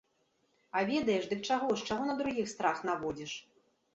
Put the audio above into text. А ведаеш, дык чаго ж, чаго на другіх страх наводзіш?